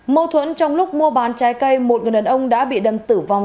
mâu thuẫn trong lúc mua bán trái cây một người đàn ông đã bị đâm tử vong